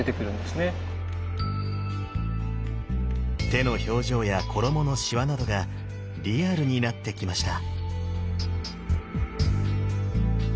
手の表情や衣のしわなどがリアルになってきました。